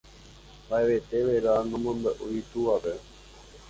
Mba'evete vera nomombe'úi itúvape.